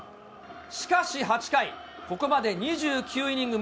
しかし８回、ここまで２９イニング